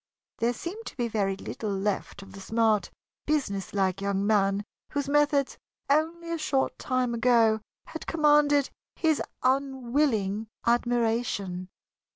There seemed to be very little left of the smart, businesslike young man whose methods, only a short time ago, had commanded his unwilling admiration.